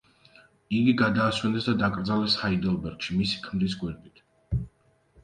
იგი გადაასვენეს და დაკრძალეს ჰაიდელბერგში, მისი ქმრის გვერდით.